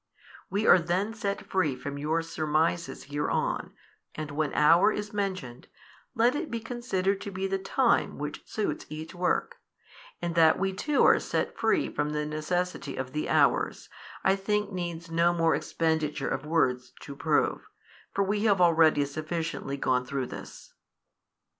We are then set free from your surmises hereon, and when hour is mentioned, let it be considered to be the time which suits each work: and that we too are set free from the necessity of the hours, I think needs no more expenditure of words to prove: for we have already sufficiently gone through this.